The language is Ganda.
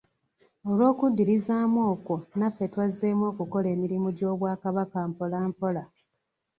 Olw'okuddirizaamu okwo, naffe twazzeemu okukola emirimu gy'obwakabaka mpola mpola.